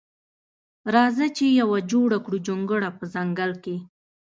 راځه چې یوه جوړه کړو جونګړه په ځنګل کښې